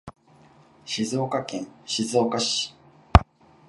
静岡県静岡市